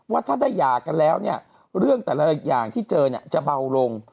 ว่าถ้าได้หย่ากันแล้วเนี่ยเรื่องแต่ละอย่างที่เจอเนี่ยจะเบาลง